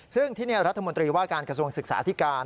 ซึ่งที่นี่รัฐมนตรีว่าการกระทรวงศึกษาที่การ